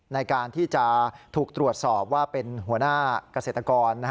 ในการที่จะถูกตรวจสอบว่าเป็นหัวหน้าเกษตรกร